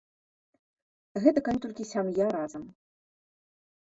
Гэта калі толькі сям'я разам.